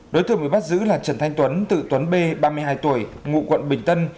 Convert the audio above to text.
đối tượng bị bắt giữ là trần thanh tuấn tự tuấn b ba mươi hai tuổi ngụ quận bình tân